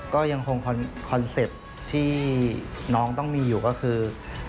ก็ยังคงคอนเซ็ปต์ที่น้องต้องมีอยู่ก็คือ